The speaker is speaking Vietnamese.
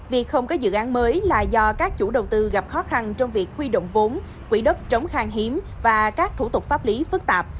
việc không có dự án mới là do các chủ đầu tư gặp khó khăn trong việc huy động vốn quỹ đất trống khang hiếm và các thủ tục pháp lý phức tạp